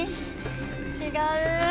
違う。